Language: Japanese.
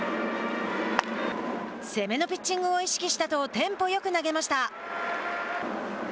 攻めのピッチングを意識したとテンポよく投げました。